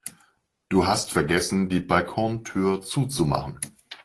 Du hast vergessen, die Balkontür zuzumachen.